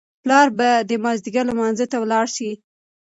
پلار به د مازیګر لمانځه ته ولاړ شي.